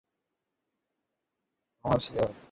নে কমার্শিয়াল ব্রেকের পর সংবাদ চলবে খবরটা শেষ হয়ে গেল।